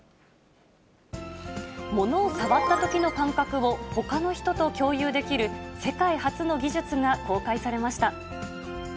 物を触ったときの感覚をほかの人と共有できる世界初の技術が公開されました。